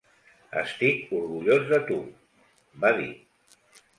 "Estic orgullós de tu", va dir.